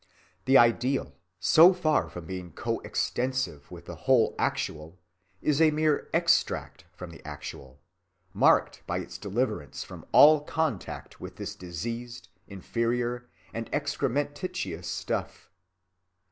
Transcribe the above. The ideal, so far from being co‐ extensive with the whole actual, is a mere extract from the actual, marked by its deliverance from all contact with this diseased, inferior, and excrementitious stuff.